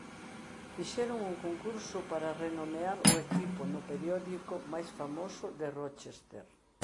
Fixeron un concurso para renomear o equipo no periódico máis famoso de Rochester.